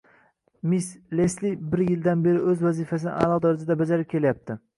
Miss Lesli bir yildan beri o`z vazifasini a`lo darajada bajarib kelyapti